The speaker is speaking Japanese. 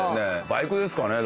バイクですかね？